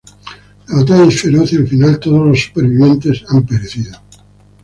La batalla es feroz, y al final todos los sobrevivientes han perecido.